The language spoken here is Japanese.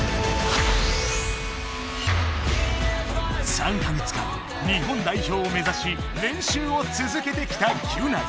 ３か月間日本代表をめざし練習をつづけてきたギュナイ。